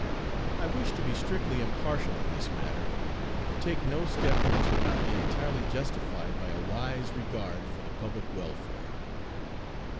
I wish to be strictly impartial in this matter, and to take no step which cannot be entirely justified by a wise regard for the public welfare."